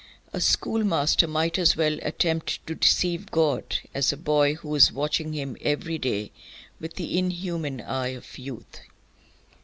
A schoolmaster might as well attempt to deceive God as a boy who is watching him every day with the inhuman eye of youth.